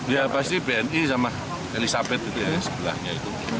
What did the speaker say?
ya pasti bni sama elisabeth itu ya sebelahnya itu